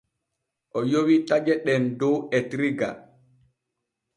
O yowi taƴe ɗen dow etirga.